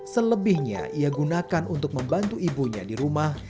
selebihnya ia gunakan untuk membantu ibunya di rumah